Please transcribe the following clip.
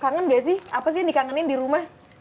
kangen gak sih apa sih yang dikangenin di rumah